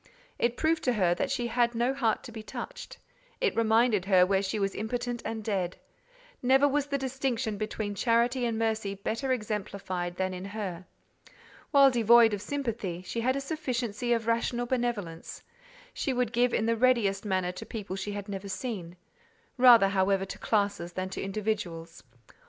It proved to her that she had no heart to be touched: it reminded her where she was impotent and dead. Never was the distinction between charity and mercy better exemplified than in her. While devoid of sympathy, she had a sufficiency of rational benevolence: she would give in the readiest manner to people she had never seen—rather, however, to classes than to individuals.